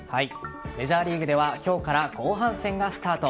メジャーリーグでは今日から後半戦がスタート。